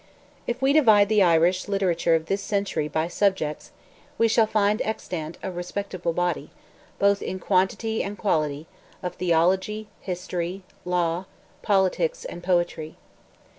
If we divide the Irish literature of this century by subjects, we shall find extant a respectable body, both in quantity and quality, of theology, history, law, politics, and poetry.